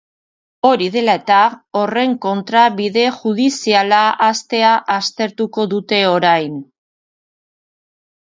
Hori dela eta, horren kontra bide judiziala hastea aztertuko dute orain.